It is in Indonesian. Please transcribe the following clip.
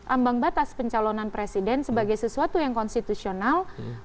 ambang batas pencalonan presiden sebagai sesuatu yang konstitusional